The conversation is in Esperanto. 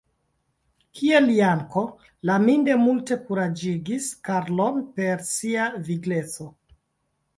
Kiel Janko, Laminde multe kuraĝigis Karlon per sia vigleco.